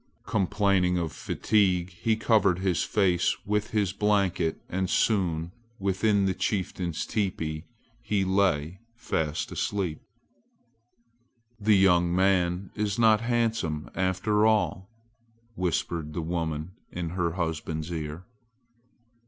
Complaining of fatigue, he covered his face with his blanket and soon within the chieftain's teepee he lay fast asleep. "The young man is not handsome after all!" whispered the woman in her husband's ear.